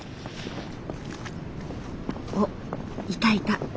おっいたいた。